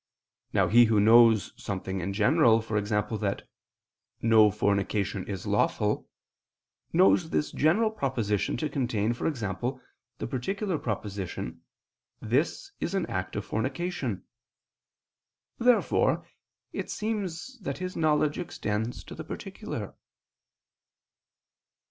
Now he who knows something in general, e.g. that "no fornication is lawful," knows this general proposition to contain, for example, the particular proposition, "This is an act of fornication." Therefore it seems that his knowledge extends to the particular.